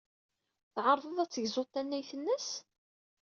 Tɛerḍed ad tegzud tannayt-nnes?